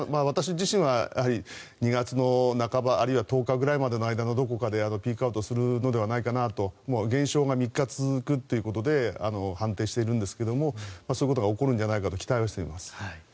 私自身はやはり２月の半ばあるいは１０日ぐらいのどこかでピークアウトするのではないかと現象が３日続くということで判定しているんですがそういうことが起こるんじゃないかと期待はしています。